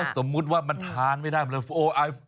แล้วสมมุติว่ามันทานไม่ได้